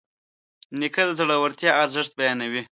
نیکه د زړورتیا ارزښت بیانوي.